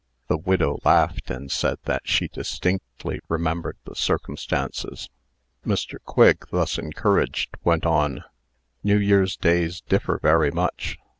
The widow laughed, and said that she distinctly remembered the circumstances. Mr. Quigg, thus encouraged, went on: "New Year's days differ very much.